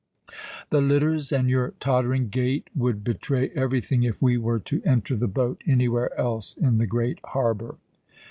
The litters and your tottering gait would betray everything if we were to enter the boat anywhere else in the great harbour."